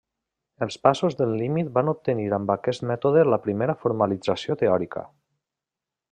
Els passos del límit van obtenir amb aquest mètode la primera formalització teòrica.